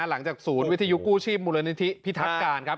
หลังจากศูนย์วิทยุกู้ชีพมูลนิธิพิทักการครับ